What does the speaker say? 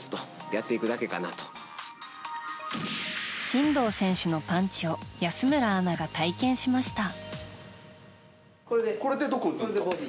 真道選手のパンチを安村アナが体験しました。